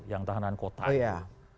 yang tahanan kota itu